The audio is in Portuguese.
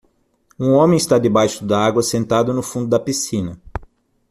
um homem está debaixo d'água sentado no fundo da piscina